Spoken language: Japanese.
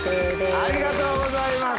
ありがとうございます！